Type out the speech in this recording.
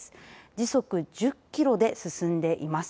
時速１０キロで進んでいます。